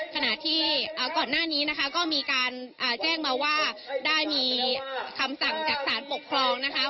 ขณะที่ก่อนหน้านี้นะคะก็มีการแจ้งมาว่าได้มีคำสั่งจากสารปกครองนะคะ